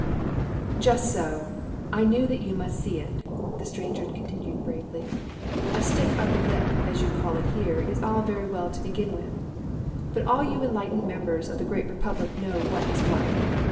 "Just so. I knew that you must see it," the stranger continued, bravely. "A stiff upper lip, as you call it here, is all very well to begin with. But all you enlightened members of the great republic know what is what.